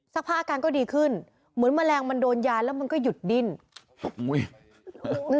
ผ้าอาการก็ดีขึ้นเหมือนแมลงมันโดนยาแล้วมันก็หยุดดิ้น